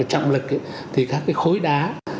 trọng lực thì các cái khối đá